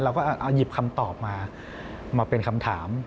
เราก็หยิบคำตอบมามาเป็นคำถาม